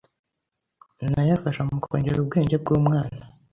Nayo afasha mu kongera ubwenge bw’umwana